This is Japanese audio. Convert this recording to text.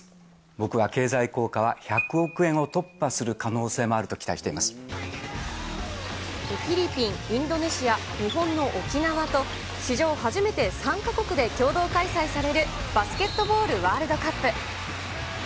僕は経済効果は１００億円を突破する可能性もあると期待していまフィリピン、インドネシア、日本の沖縄と、史上初めて３か国で共同開催されるバスケットボールワールドカップ。